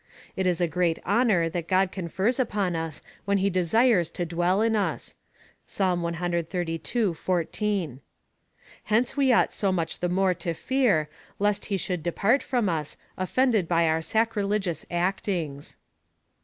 It is a great honour that God confers upon us when he desires to dwell in us. (Psalm cxxxii. 14.) Hence we ought so much the more to fear, lest he should depart from us, offended by our sacrilegious actings.